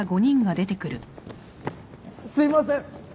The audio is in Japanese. すいません！